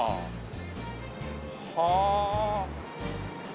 はあ。